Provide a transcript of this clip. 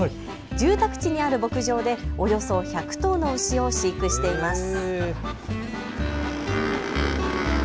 住宅地にある牧場でおよそ１００頭の牛を飼育しています。